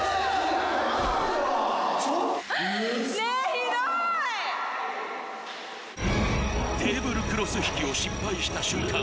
ひどーいテーブルクロス引きを失敗した瞬間